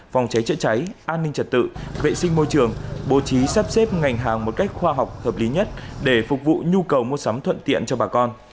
phòng cháy chữa cháy an ninh trật tự vệ sinh môi trường bố trí sắp xếp ngành hàng một cách khoa học hợp lý nhất để phục vụ nhu cầu mua sắm thuận tiện cho bà con